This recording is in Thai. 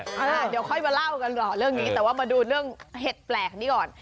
เดี๋ยวค่อยมาเล่ากันต่อเรื่องนี้แต่ว่ามาดูเรื่องเห็ดแปลกนี้ก่อน